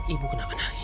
ibu kenapa nangis